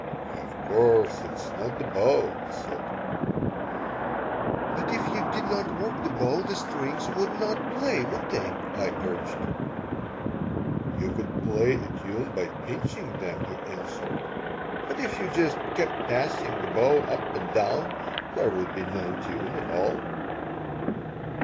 "Of course it is not the bow," he said "But if you did not work the bow the strings would not play, would they?" I urged. "You could play a tune by pinching them," he answered. "But if you just kept passing the bow up and down there would be no tune at all."